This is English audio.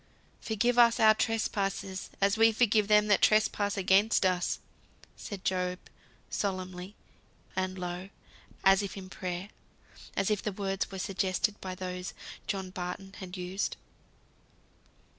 "Forgive us our trespasses as we forgive them that trespass against us," said Job, solemnly and low, as if in prayer; as if the words were suggested by those John Barton had used.